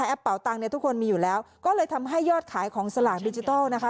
แอปเป๋าตังค์ทุกคนมีอยู่แล้วก็เลยทำให้ยอดขายของสลากดิจิทัล